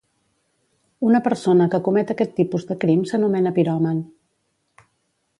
Una persona que comet aquest tipus de crim s'anomena piròman.